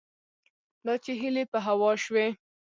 دا چې هیلې په هوا شوې